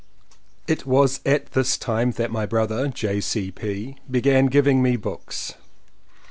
It was at this time that my brother, J. C. P., began giving me books.